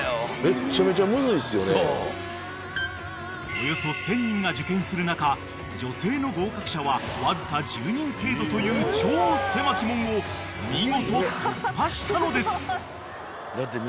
［およそ１，０００人が受験する中女性の合格者はわずか１０人程度という超狭き門を見事突破したのです］